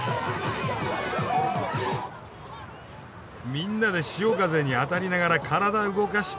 みんなで潮風に当たりながら体動かして。